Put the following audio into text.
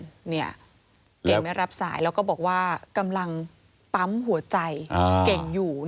เก่งไม่รับสายแล้วก็บอกว่ากำลังปั๊มหัวใจเก่งอยู่